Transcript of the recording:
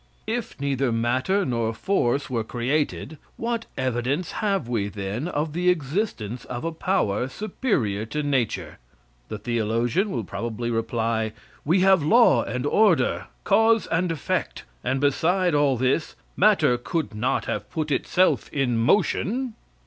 If neither matter nor force were created, what evidence have we, then, of the existence of a power superior to nature? The theologian will probably reply, "We have law and order, cause and effect, and beside all this, matter could not have put itself in motion."